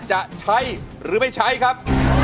จะใช้หรือไม่ใช้ครับ